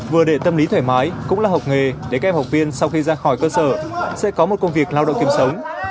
vừa để tâm lý thoải mái cũng là học nghề để các em học viên sau khi ra khỏi cơ sở sẽ có một công việc lao động kiếm sống